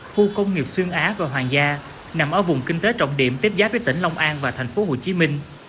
khu công nghiệp xuyên á và hoàng gia nằm ở vùng kinh tế trọng điểm tiếp giáp với tỉnh long an và thành phố hồ chí minh